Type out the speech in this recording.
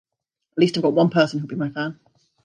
At least I've got one person who will be my fan.